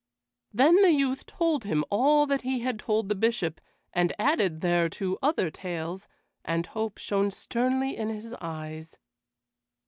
Then the youth told him all that he had told the Bishop, and added thereto other tales, and hope shone sternly in his eyes.